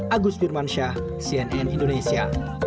agus firman syah cnn indonesia